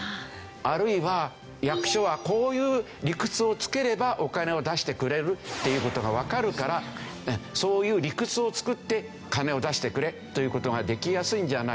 あるいは役所はこういう理屈をつければお金を出してくれるという事がわかるからそういう理屈を作って金を出してくれという事ができやすいんじゃないかという。